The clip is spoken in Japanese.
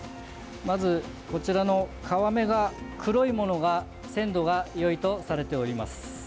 まず、こちらの皮目が黒いものが鮮度がよいとされております。